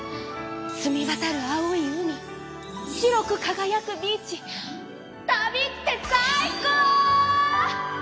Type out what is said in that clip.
すみわたる青い海白くかがやくビーチ旅ってサイコー！